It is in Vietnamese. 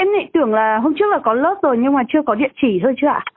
em nghĩ tưởng là hôm trước là có lớp rồi nhưng mà chưa có địa chỉ thôi chứ ạ